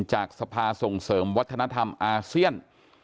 จากสภาส่งเสริมวัฒนธรรมอาเซียน